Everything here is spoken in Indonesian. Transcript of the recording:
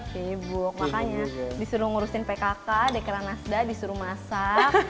sibuk makanya disuruh ngurusin pkk dekera nasdaq disuruh masak